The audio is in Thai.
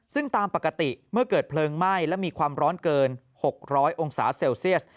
ซึ่งตามปกติเมื่อเกิดเพลิงไหม้และมีความร้อนเกิน๖๐๐องศาเซลเซียส